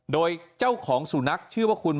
โดยเจ้าของสุนัขชื่อว่าคุณ